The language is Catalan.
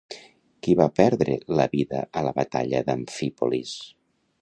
Qui va perdre la vida a la batalla d'Amfípolis?